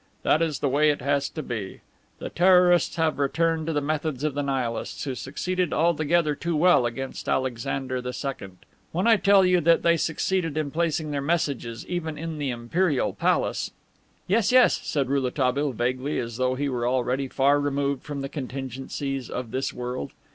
That is the way it has to be. The Terrorists have returned to the methods of the Nihilists, who succeeded altogether too well against Alexander II. When I tell you that they succeeded in placing their messages even in the imperial palace..." "Yes, yes," said Rouletabille, vaguely, as though he were already far removed from the contingencies of this world.